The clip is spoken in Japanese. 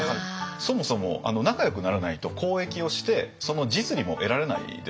そもそも仲よくならないと交易をしてその実利も得られないですよね。